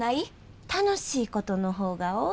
楽しいことの方が多いわ。